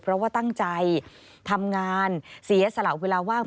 เพราะว่าตั้งใจทำงานเสียสละเวลาว่าง